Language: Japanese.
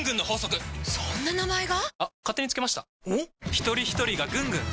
ひとりひとりがぐんぐん！